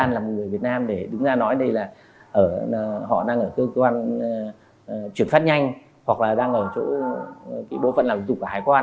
đang làm người việt nam để đứng ra nói đây là họ đang ở cơ quan chuyển phát nhanh hoặc là đang ở chỗ bộ phận làm dụng của hải quan